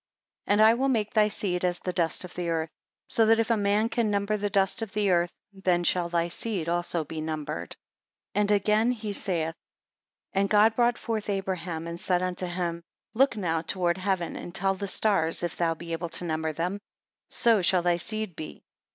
9 And I will make thy seed as the dust of the earth, so that if a man can number the dust of the earth, then shall thy seed also be numbered. 10 And again he saith: and God brought forth Abraham, and said unto him; look now toward heaven, and tell the stars, if thou be able to number them: so shall thy seed be.